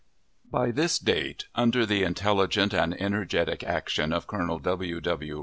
By this date, under the intelligent and energetic action of Colonel W. W.